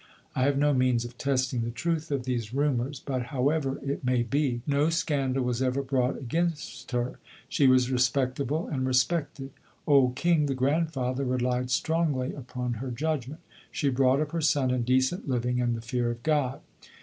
I have no means of testing the truth of these rumours, but, however it may be, no scandal was ever brought against her. She was respectable and respected. Old King, the grandfather, relied strongly upon her judgment. She brought up her son in decent living and the fear of God.